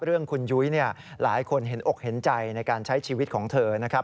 เรื่องคุณยุ้ยหลายคนเห็นอกเห็นใจในการใช้ชีวิตของเธอนะครับ